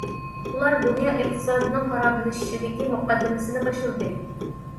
ئۇلار دۇنيا ئىقتىسادىنىڭ خارابلىشىشىدىكى مۇقەددىمىسىنى باشلىدى.